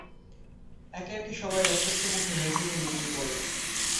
একে একে সবাই রক্তাক্ত মুখে মেঝেতে লুটিয়ে পড়ল।